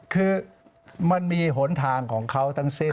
คือมันมีทุกผลทางของเขาทั้งสิบ